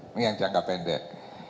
ini yang jangka pendek